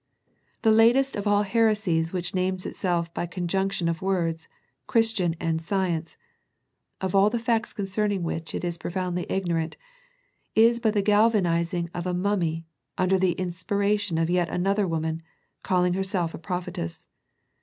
The latest of all heresies which names itself by conjunction of words, Christian and Science, of all the facts concerning which it is profoundly ignorant, is but the galvanizing of a mummy, under the inspiration of yet another woman, calling herself a prophetess.